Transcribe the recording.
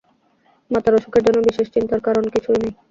মাতার অসুখের জন্য বিশেষ চিন্তার কারণ কিছুই নাই।